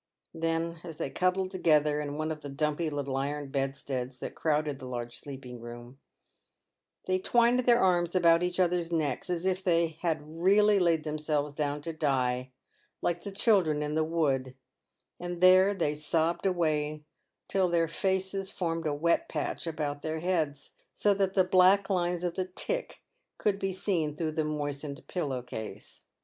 Then, as they cuddled together, in one of the dumpy little iron bedsteads that crowded the large sleeping room, they twined their arms about each other's necks as if they had really laid themselves down to die, like the children in the wood ; and there they sobbed away till their tears formed a wet 46 PAYED WITH GOLD. patch about their heads, so that the black lines of the tick could be seen through the moistened pillow case.